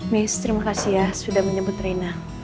miss terima kasih ya sudah menyebut rina